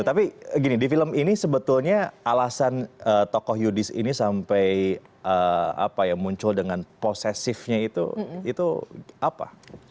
tapi gini di film ini sebetulnya alasan tokoh yudis ini sampai muncul dengan posesifnya itu apa